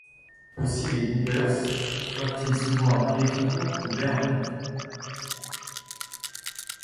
Aussi les Boubers furent-ils souvent appelés vicomtes de Bernâtre.